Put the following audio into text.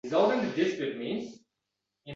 Birontasi uni shu yigitchalik tushunmagan.